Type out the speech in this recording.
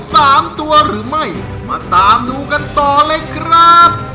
สามตัวหรือไม่มาตามดูกันต่อเลยครับ